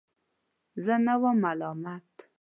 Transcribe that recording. زه نه وم ملامت.